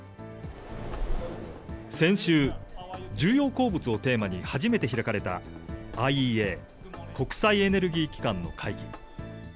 先週、重要鉱物をテーマに、初めて開かれたＩＥＡ・国際エネルギー機関の会議。